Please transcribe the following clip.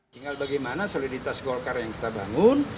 tinggal bagaimana soliditas golkar yang kita bangun